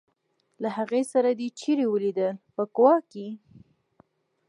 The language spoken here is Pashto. له هغې سره دي چېرې ولیدل په کوا کې ول.